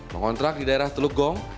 mengontrak di daerah teluk gong